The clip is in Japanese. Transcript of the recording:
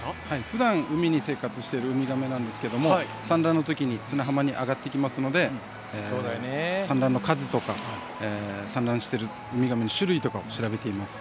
ふだん、海に生活してるウミガメなんですけども産卵の時に砂浜に上がってきますので産卵の数とか産卵してるウミガメの種類とかを調べています。